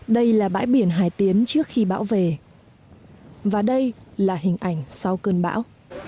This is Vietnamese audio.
đây là bãi biển hải tiến trước khi bão về và đây là hình ảnh sau cơn bão